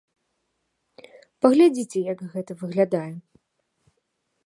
Паглядзіце як гэта выглядае.